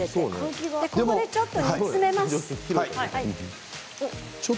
ここでちょっと煮詰めます。